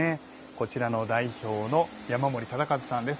こちらの代表の山森忠一さんです。